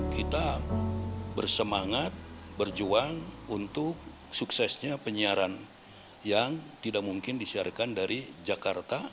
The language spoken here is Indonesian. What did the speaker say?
kita bersemangat berjuang untuk suksesnya penyiaran yang tidak mungkin disiarkan dari jakarta